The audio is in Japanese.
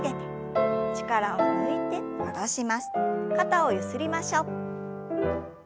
肩をゆすりましょう。